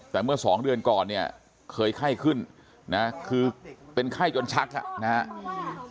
แต่เมื่อสองเดือนก่อนเนี่ยเคยไข้ขึ้นนะคือเป็นไข้จนชักนะครับ